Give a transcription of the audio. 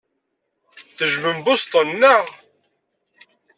Tejjmem Boston, naɣ?